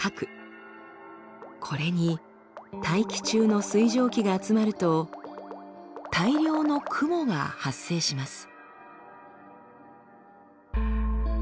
これに大気中の水蒸気が集まると大量の雲が発生します。